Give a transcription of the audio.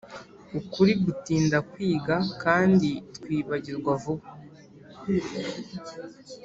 ukuri dutinda kwiga kandi twibagirwa vuba